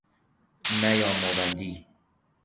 نیام آوندی